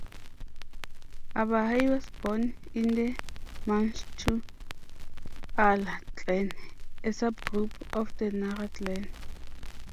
Abahai was born in the Manchu Ula clan, a subgroup of the Nara clan.